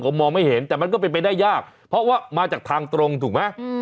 ผมมองไม่เห็นแต่มันก็เป็นไปได้ยากเพราะว่ามาจากทางตรงถูกไหม